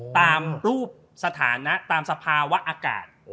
ตามรูปสถานะตามสภาวะอากาศ